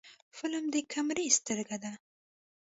فلم د کیمرې سترګه ده